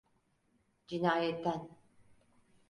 Cinayetten.